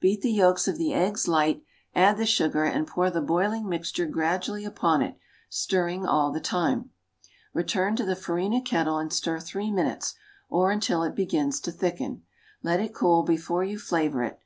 Beat the yolks of the eggs light, add the sugar and pour the boiling mixture gradually upon it, stirring all the time. Return to the farina kettle and stir three minutes, or until it begins to thicken. Let it cool before you flavor it.